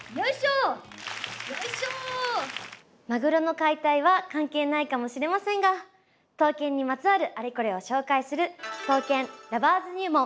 マグロの解体は関係ないかもしれませんが刀剣にまつわるアレコレを紹介する「刀剣Ｌｏｖｅｒｓ入門」。